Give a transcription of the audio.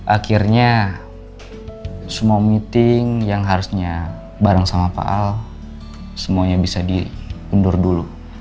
akhirnya semua meeting yang harusnya bareng sama pak al semuanya bisa diundur dulu